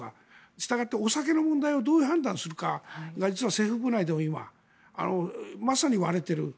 したがってお酒の問題をどう判断するかが実は政府内でもまさに割れている。